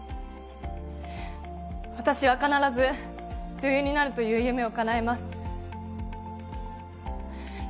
私は必ず女優になるという夢をかなえます。